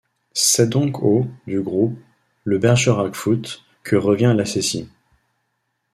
C'est donc au du groupe, le Bergerac Foot, que revient l'accessit.